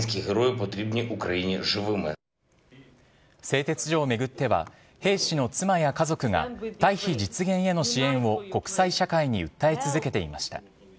製鉄所を巡っては、兵士の妻や家族が退避実現への支援を国際社会に訴え続けていました。